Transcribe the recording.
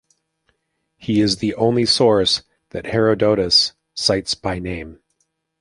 He is the only source that Herodotus cites by name.